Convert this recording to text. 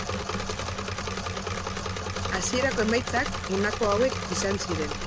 Hasierako emaitzak, honako hauek izan ziren.